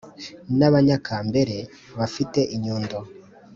n ábanyákamberé bafit inyundo